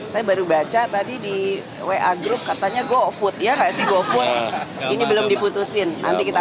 saya baru baca tadi di wa grup katanya gofood ya kasih gofood ini belum diputusin nanti kita